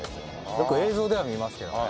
よく映像では見ますけどね。